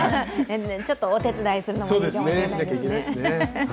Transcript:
ちょっとお手伝いするのもいいかもしれないですね。